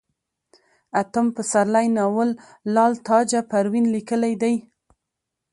اتم پسرلی ناول لال تاجه پروين ليکلئ دی